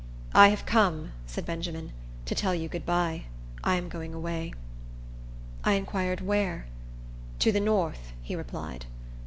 "I have come," said Benjamin, "to tell you good by. I am going away." I inquired where. "To the north," he replied.